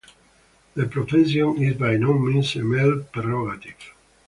The profession is by no means a male prerogative.